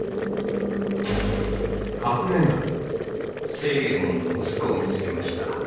星右衛門の息子を見つけました。